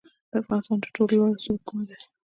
د افغانستان تر ټولو لوړه څوکه کومه ده؟